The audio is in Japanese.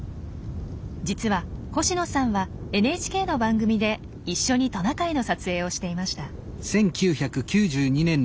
実は星野さんはＮＨＫの番組で一緒にトナカイの撮影をしていました。